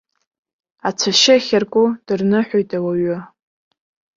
Ацәашьы ахьарку дырныҳәоит ауаҩы.